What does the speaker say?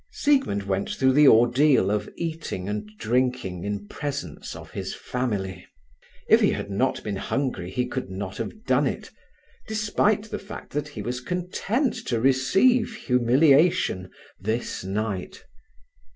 Siegmund went through the ordeal of eating and drinking in presence of his family. If he had not been hungry, he could not have done it, despite the fact that he was content to receive humiliation this night.